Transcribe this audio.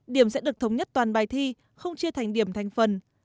điểm sẽ được thống nhất toàn bài thi không chia thành điểm thành phần